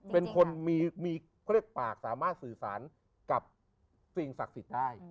เป็นคนมีเขาเรียกปากสามารถสื่อสารกับสิ่งศักดิ์สิทธิ์ได้